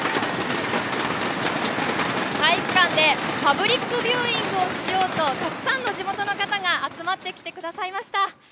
体育館でパブリックビューイングをしようとたくさんの地元の皆さんが集まってきてくださいました。